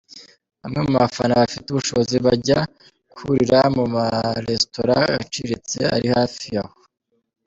Bamwe mu bafana bafite ubushobozi bajya kurira mu marestora aciriritse ari hafi aho.